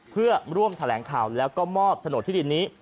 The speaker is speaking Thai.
เพื่อร่วมแถลงข่าวแล้วก็มอบโฉนดที่ดินนี้